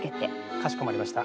かしこまりました。